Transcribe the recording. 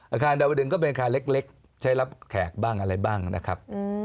อาคารดาวดึงก็เป็นอาคารเล็กใช้รับแขกบ้างอะไรบ้างนะครับ